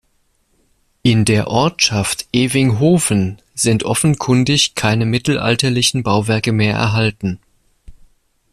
In der Ortschaft Evinghoven sind offenkundig keine mittelalterlichen Bauwerke mehr erhalten.